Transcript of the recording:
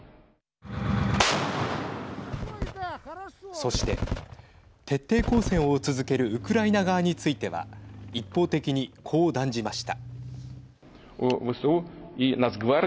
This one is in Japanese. そして徹底抗戦を続けるウクライナ側については一方的に、こう断じました。